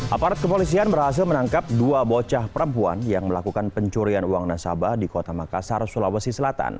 aparat kepolisian berhasil menangkap dua bocah perempuan yang melakukan pencurian uang nasabah di kota makassar sulawesi selatan